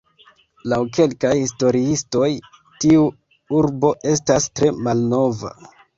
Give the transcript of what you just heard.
Laŭ kelkaj historiistoj tiu urbo estas tre malnova.